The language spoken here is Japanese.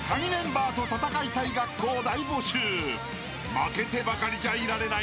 ［負けてばかりじゃいられない！］